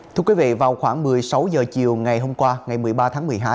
thưa quý vị vào khoảng một mươi sáu h chiều ngày hôm qua ngày một mươi ba tháng một mươi hai